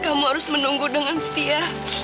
kau harus menunggu menunggu dengan setia